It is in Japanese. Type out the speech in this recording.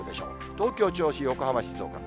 東京、銚子、横浜、静岡。